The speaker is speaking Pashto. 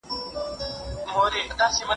که وخت راشي سېر به سېر او پاو به پاو کړو